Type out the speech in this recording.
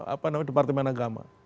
apa namanya departemen agama